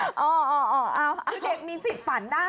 คือเด็กมีสิทธิ์ฝันได้